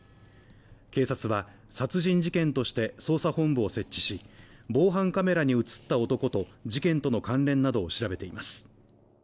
警察は殺人事件として捜査本部を設置し、防犯カメラに映った男と事件との関連などを調べています。